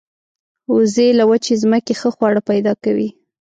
وزې له وچې ځمکې ښه خواړه پیدا کوي